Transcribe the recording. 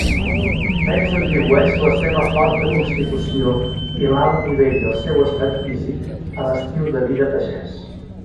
Meads atribueix la seva forta constitució i l'alt nivell del seu estat físic a l'estil de vida pagès.